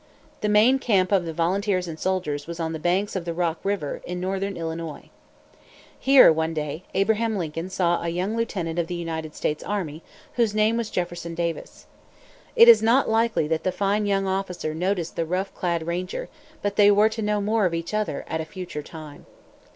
The main camp of the volunteers and soldiers was on the banks of the Rock river, in northern Illinois. Here, one day, Abraham Lincoln saw a young lieutenant of the United States army, whose name was Jefferson Davis. It is not likely that the fine young officer noticed the rough clad ranger; but they were to know more of each other at a future time.